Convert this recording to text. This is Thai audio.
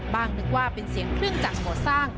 นึกว่าเป็นเสียงเครื่องจักรก่อสร้าง